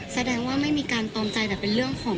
แสดงว่าไม่มีการตอมใจแต่เป็นเรื่องของ